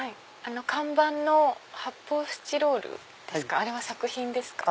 看板の発泡スチロールは作品ですか？